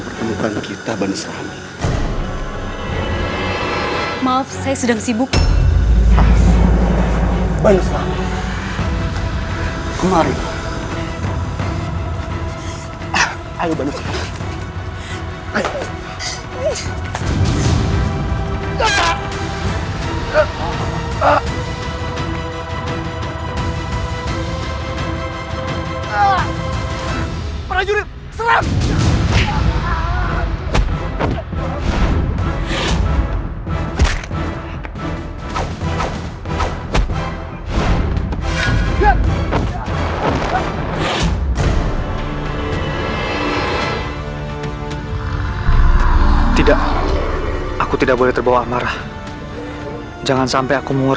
kesultanan itu akan memusuh